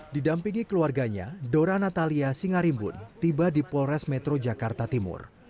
didampingi keluarganya dora natalia singarimbun tiba di polres metro jakarta timur